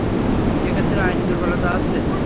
এ ক্ষেত্রে আইনের দুর্বলতা আছে।